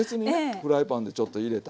フライパンでちょっと入れた